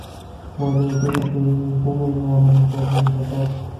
Waliwekeza kwenye mifumo imara na kuweka mikakati